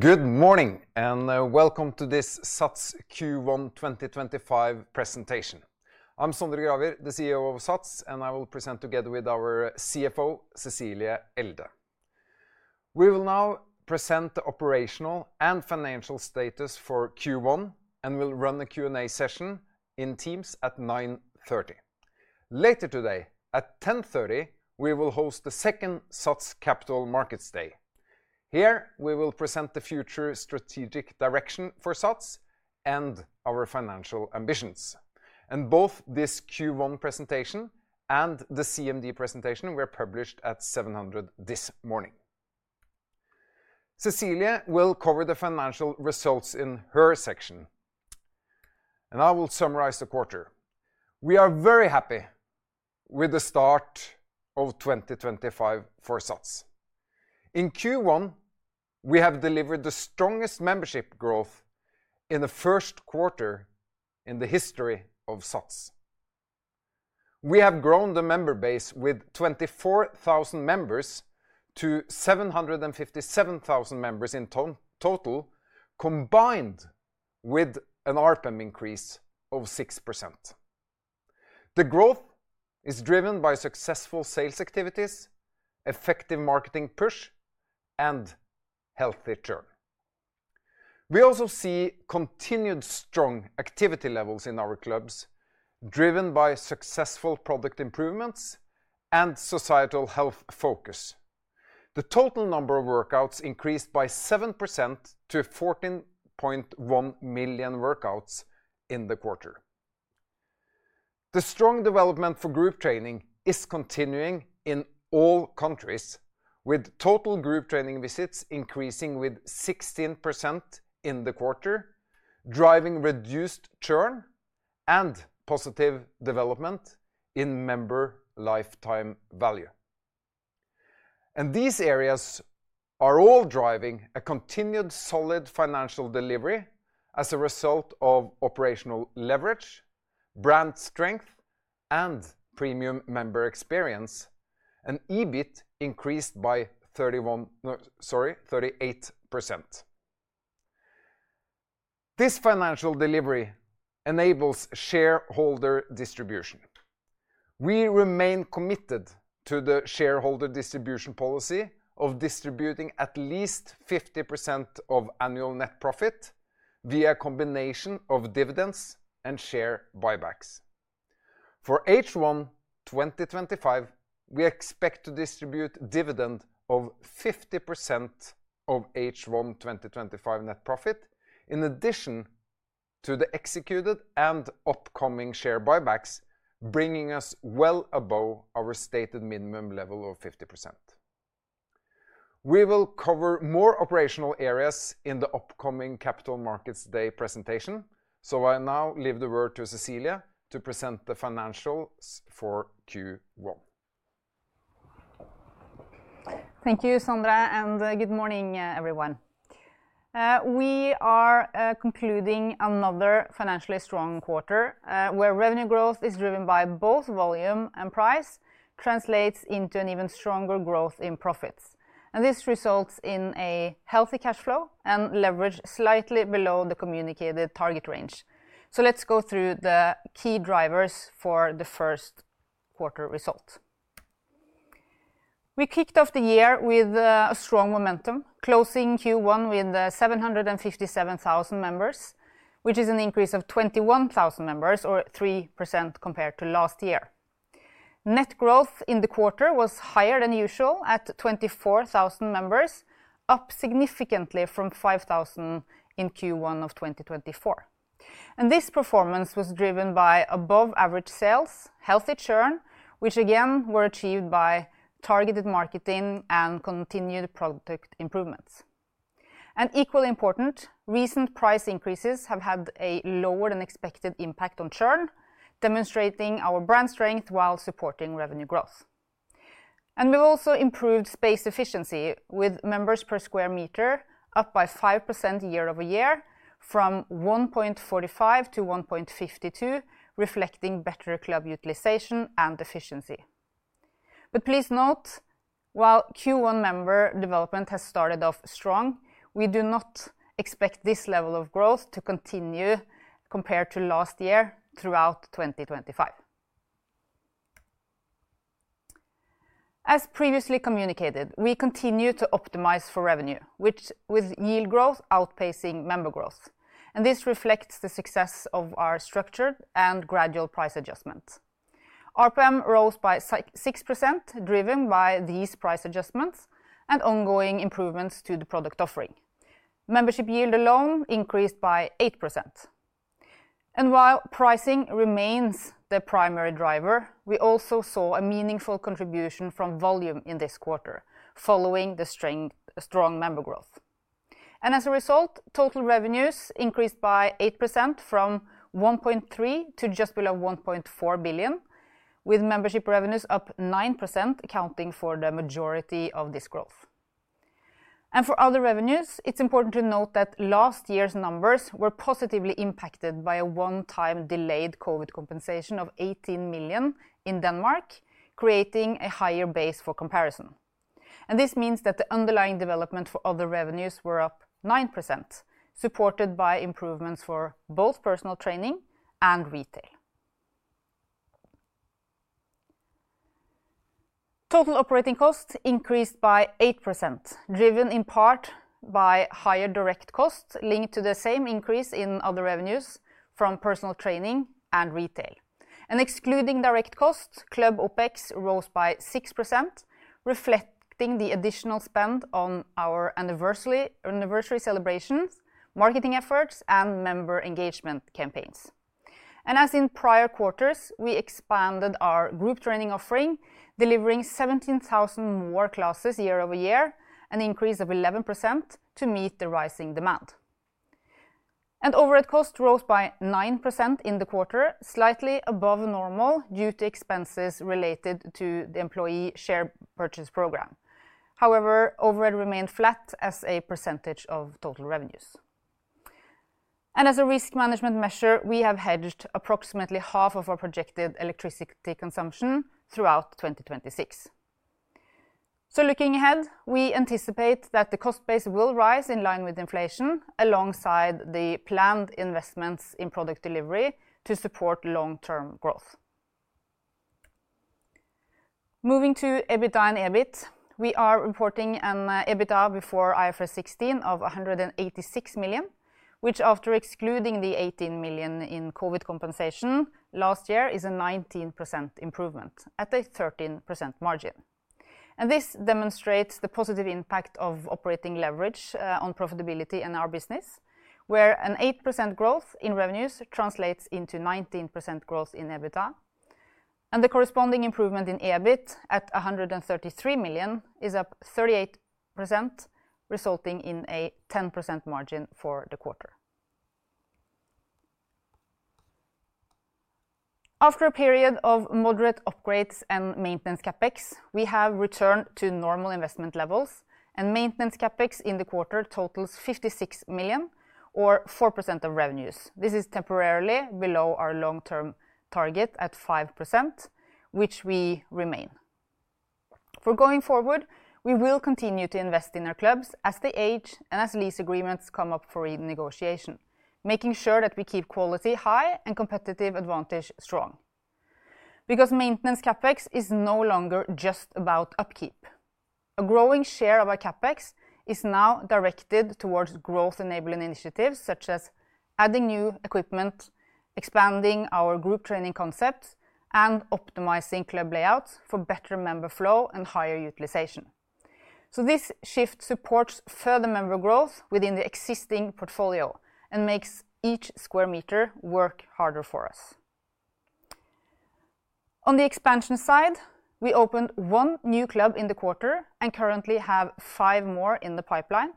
Good morning and welcome to this SATS Q1 2025 presentation. I'm Sondre Gravir, the CEO of SATS, and I will present together with our CFO, Cecilie Elde. We will now present the operational and financial status for Q1, and we'll run a Q&A session in Teams at 9:30 A.M. Later today, at 10:30 A.M., we will host the second SATS Capital Markets Day. Here, we will present the future strategic direction for SATS and our financial ambitions. Both this Q1 presentation and the CMD presentation were published at 7:00 A.M. this morning. Cecilie will cover the financial results in her section, and I will summarize the quarter. We are very happy with the start of 2025 for SATS. In Q1, we have delivered the strongest membership growth in the first quarter in the history of SATS. We have grown the member base with 24,000 members to 757,000 members in total, combined with an ARPM increase of 6%. The growth is driven by successful sales activities, effective marketing push, and healthy churn. We also see continued strong activity levels in our clubs, driven by successful product improvements and societal health focus. The total number of workouts increased by 7% to 14.1 million workouts in the quarter. The strong development for group training is continuing in all countries, with total group training visits increasing by 16% in the quarter, driving reduced churn and positive development in member lifetime value. These areas are all driving a continued solid financial delivery as a result of operational leverage, brand strength, and premium member experience, and EBIT increased by 38%. This financial delivery enables shareholder distribution. We remain committed to the shareholder distribution policy of distributing at least 50% of annual net profit via a combination of dividends and share buybacks. For H1 2025, we expect to distribute a dividend of 50% of H1 2025 net profit, in addition to the executed and upcoming share buybacks, bringing us well above our stated minimum level of 50%. We will cover more operational areas in the upcoming Capital Markets Day presentation, so I now leave the word to Cecilie to present the financials for Q1. Thank you, Sondre, and good morning, everyone. We are concluding another financially strong quarter, where revenue growth is driven by both volume and price, which translates into an even stronger growth in profits. This results in a healthy cash flow and leverage slightly below the communicated target range. Let's go through the key drivers for the first quarter results. We kicked off the year with strong momentum, closing Q1 with 757,000 members, which is an increase of 21,000 members, or 3% compared to last year. Net growth in the quarter was higher than usual at 24,000 members, up significantly from 5,000 in Q1 of 2024. This performance was driven by above-average sales, healthy churn, which again were achieved by targeted marketing and continued product improvements. Equally important, recent price increases have had a lower-than-expected impact on churn, demonstrating our brand strength while supporting revenue growth. We have also improved space efficiency with members per square meter, up by 5% year-over-year, from 1.45-1.52, reflecting better club utilization and efficiency. Please note, while Q1 member development has started off strong, we do not expect this level of growth to continue compared to last year throughout 2025. As previously communicated, we continue to optimize for revenue, with yield growth outpacing member growth. This reflects the success of our structured and gradual price adjustments. ARPM rose by 6%, driven by these price adjustments and ongoing improvements to the product offering. Membership yield alone increased by 8%. While pricing remains the primary driver, we also saw a meaningful contribution from volume in this quarter, following the strong member growth. As a result, total revenues increased by 8% from 1.3 billion to just below 1.4 billion, with membership revenues up 9%, accounting for the majority of this growth. For other revenues, it is important to note that last year's numbers were positively impacted by a one-time delayed COVID compensation of 18 million in Denmark, creating a higher base for comparison. This means that the underlying development for other revenues was up 9%, supported by improvements for both personal training and retail. Total operating costs increased by 8%, driven in part by higher direct costs linked to the same increase in other revenues from personal training and retail. Excluding direct costs, club OPEX rose by 6%, reflecting the additional spend on our anniversary celebrations, marketing efforts, and member engagement campaigns. As in prior quarters, we expanded our group training offering, delivering 17,000 more classes year-over-year, an increase of 11% to meet the rising demand. Overhead costs rose by 9% in the quarter, slightly above normal due to expenses related to the employee share purchase program. However, overhead remained flat as a percentage of total revenues. As a risk management measure, we have hedged approximately half of our projected electricity consumption throughout 2026. Looking ahead, we anticipate that the cost base will rise in line with inflation, alongside the planned investments in product delivery to support long-term growth. Moving to EBITDA and EBIT, we are reporting an EBITDA before IFRS 16 of 186 million, which, after excluding the 18 million in COVID compensation last year, is a 19% improvement at a 13% margin. This demonstrates the positive impact of operating leverage on profitability in our business, where an 8% growth in revenues translates into 19% growth in EBITDA. The corresponding improvement in EBIT at 133 million is up 38%, resulting in a 10% margin for the quarter. After a period of moderate upgrades and maintenance CapEx, we have returned to normal investment levels, and maintenance CapEx in the quarter totals 56 million, or 4% of revenues. This is temporarily below our long-term target at 5%, which we remain. For going forward, we will continue to invest in our clubs as they age and as lease agreements come up for renegotiation, making sure that we keep quality high and competitive advantage strong. Maintenance CapEx is no longer just about upkeep. A growing share of our CapEx is now directed towards growth-enabling initiatives such as adding new equipment, expanding our group training concepts, and optimizing club layouts for better member flow and higher utilization. This shift supports further member growth within the existing portfolio and makes each square meter work harder for us. On the expansion side, we opened one new club in the quarter and currently have five more in the pipeline.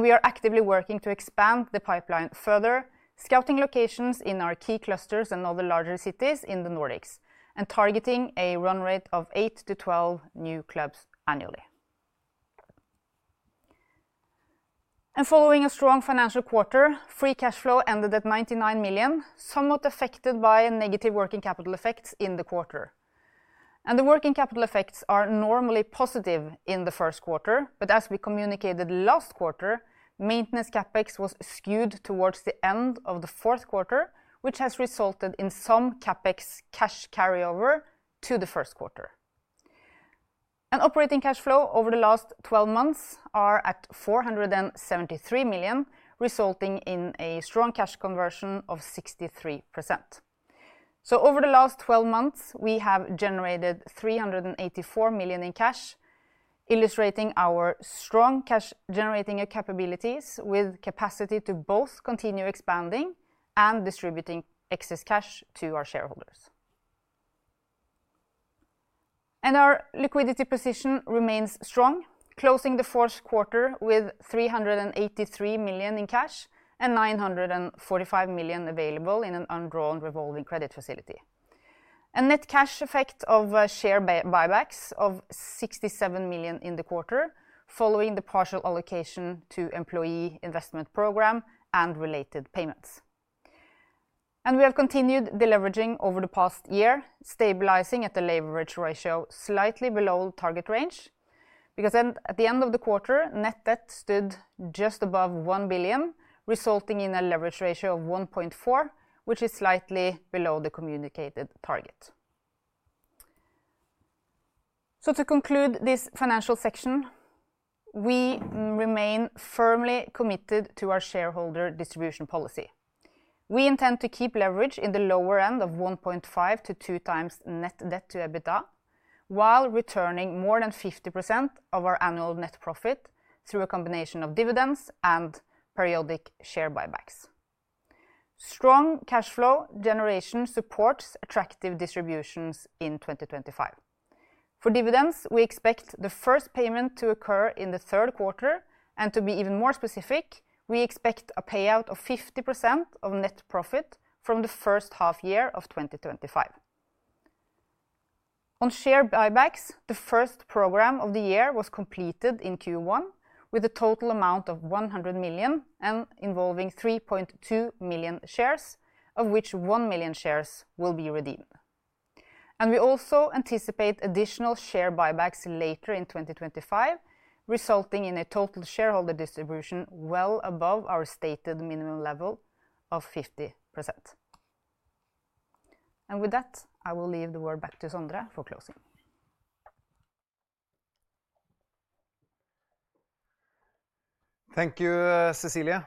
We are actively working to expand the pipeline further, scouting locations in our key clusters and other larger cities in the Nordics, and targeting a run rate of 8-12 new clubs annually. Following a strong financial quarter, free cash flow ended at 99 million, somewhat affected by negative working capital effects in the quarter. The working capital effects are normally positive in the first quarter, but as we communicated last quarter, maintenance CapEx was skewed towards the end of the fourth quarter, which has resulted in some CapEx cash carryover to the first quarter. Operating cash flow over the last 12 months is at 473 million, resulting in a strong cash conversion of 63%. Over the last 12 months, we have generated 384 million in cash, illustrating our strong cash-generating capabilities with capacity to both continue expanding and distributing excess cash to our shareholders. Our liquidity position remains strong, closing the fourth quarter with 383 million in cash and 945 million available in an undrawn revolving credit facility. Net cash effect of share buybacks of 67 million in the quarter, following the partial allocation to employee investment program and related payments. We have continued the leveraging over the past year, stabilizing at a leverage ratio slightly below target range. At the end of the quarter, net debt stood just above 1 billion, resulting in a leverage ratio of 1.4, which is slightly below the communicated target. To conclude this financial section, we remain firmly committed to our shareholder distribution policy. We intend to keep leverage in the lower end of 1.5x-2x net debt to EBITDA, while returning more than 50% of our annual net profit through a combination of dividends and periodic share buybacks. Strong cash flow generation supports attractive distributions in 2025. For dividends, we expect the first payment to occur in the third quarter, and to be even more specific, we expect a payout of 50% of net profit from the first half year of 2025. On share buybacks, the first program of the year was completed in Q1, with a total amount of 100 million and involving 3.2 million shares, of which 1 million shares will be redeemed. We also anticipate additional share buybacks later in 2025, resulting in a total shareholder distribution well above our stated minimum level of 50%. With that, I will leave the word back to Sondre for closing. Thank you, Cecilie.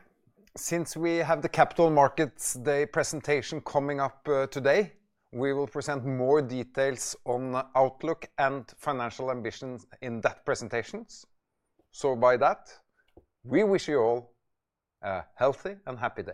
Since we have the Capital Markets Day presentation coming up today, we will present more details on outlook and financial ambitions in that presentation. By that, we wish you all a healthy and happy.